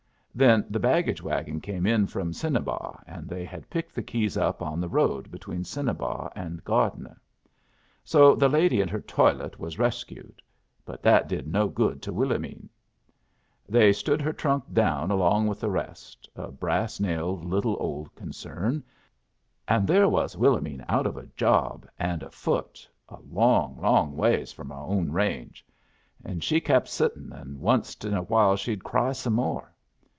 Then the baggage wagon came in from Cinnabar, and they had picked the keys up on the road between Cinnabar and Gardner. So the lady and her toilet was rescued, but that did no good to Willomene. They stood her trunk down along with the rest a brass nailed little old concern and there was Willomene out of a job and afoot a long, long ways from her own range; and so she kept sitting, and onced in a while she'd cry some more.